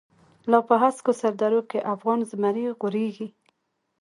لاپه هسکوسردروکی، افغانی زمری غوریږی